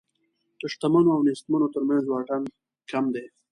د شتمنو او نېستمنو تر منځ واټن کم دی.